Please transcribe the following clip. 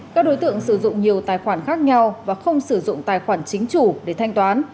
các đối tượng sử dụng nhiều tài khoản khác nhau và không sử dụng tài khoản chính chủ để thanh toán